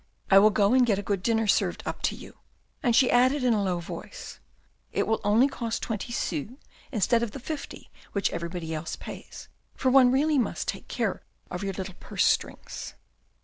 I will go and get a good dinner served up to you, and she added in a low voice, " It will only cost twenty sous instead of the fifty which everybody else pays, for one must really take care of your little purse strings."